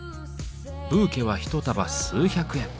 ブーケは一束数百円。